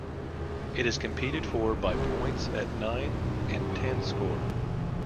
It is competed for "by points at nine and ten score".